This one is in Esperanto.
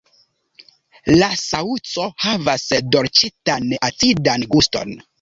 La saŭco havas dolĉetan-acidan guston.